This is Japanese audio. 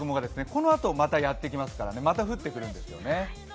このあとまたやってきますからまた降ってくるんですよね。